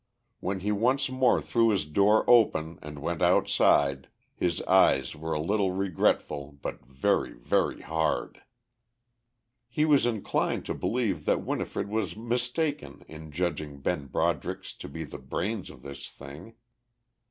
When he once more threw his door open and went outside his eyes were a little regretful but very, very hard. He was inclined to believe that Winifred was mistaken in judging Ben Broderick's to be the brains of this thing.